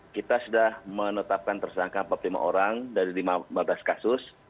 kita sudah menetapkan tersangka empat puluh lima orang dari lima belas kasus